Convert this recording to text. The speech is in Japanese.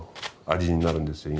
味になるんですよ